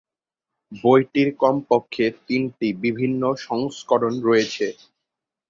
বইটির কমপক্ষে তিনটি বিভিন্ন সংস্করণ রয়েছে।